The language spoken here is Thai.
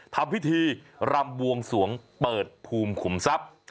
ทำพิธีรำบวงสวงเปิดภูมิขุมทรัพย์